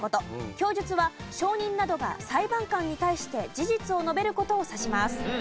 供述は証人などが裁判官に対して事実を述べる事を指します。